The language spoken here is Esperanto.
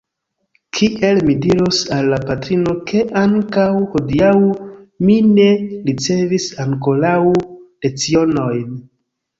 Kiel mi diros al la patrino, ke ankaŭ hodiaŭ mi ne ricevis ankoraŭ lecionojn!